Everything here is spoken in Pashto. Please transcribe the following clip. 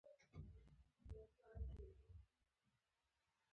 د لیکلو لپاره مې ضروري شیان درلودل.